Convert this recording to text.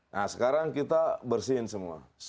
nah sekarang kita bersihin semua